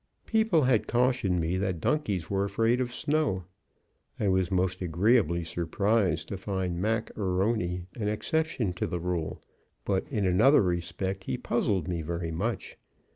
People had cautioned me that donkeys were afraid of snow. I was most agreeably surprised to find Mac A'Rony an exception to the rule; but in another respect, he puzzled me very much.